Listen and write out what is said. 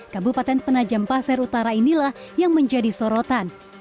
kabupaten penajam pasir utara inilah yang menjadi sorotan